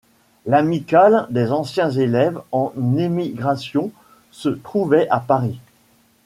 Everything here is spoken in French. L'amicale des anciens élèves en émigration se trouvait à Paris.